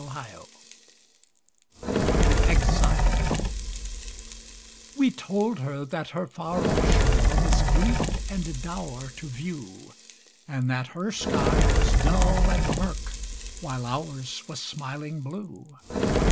119 THE EXILE We told her that her far off shore was bleak and dour to view, And that her sky was dull and mirk while ours was smiling blue.